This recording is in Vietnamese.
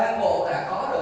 tôi ăn bộ đã có rồi